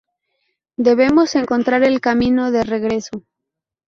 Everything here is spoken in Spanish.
Debemos encontrar el camino de regreso".